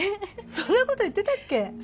そんなこと言ってたっけ？